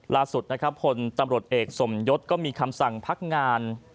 ล่าสุดจำรวจเอกสมยศก็มีคำสั่งพักงาน